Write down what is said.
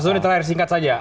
mas doni terakhir singkat saja